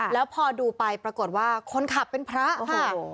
แล้วพอดูไปปรากฏว่าคนขับเป็นพระค่ะ